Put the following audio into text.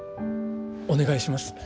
お願いします。